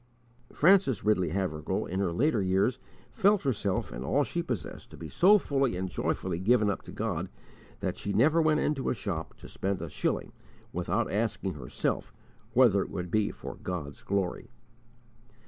Frances Ridley Havergal in her later years felt herself and all she possessed to be so fully and joyfully given up to God, that she never went into a shop to spend a shilling without asking herself whether it would be for God's glory.